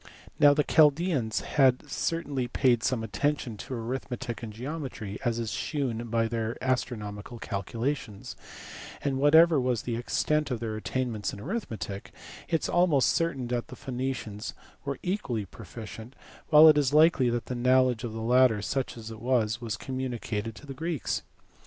Now the Chaldaeans had certainly paid some attention to arithmetic and geometry, as is shewn by their astronomical calculations ; and, whatever was the extent of their attainments in arithmetic, it is almost certain that the Phoenicians were equally proficient, while it is likely that the knowledge of the latter, such as it was, was communicated to the Greeks.